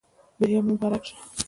بریا مو مبارک شه